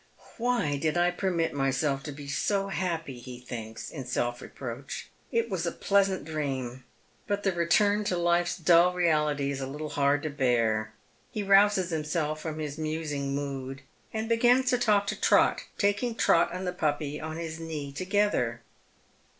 " Why did I permit myself to be so happy ?" he thinks, in eelf reproach. " It was a pleasant dream, but the return to life's dull reality is a little hard to bear." He rouses himself from his musing mood, and begins to talk to Trot, taking Trot and the puppy on his knee together.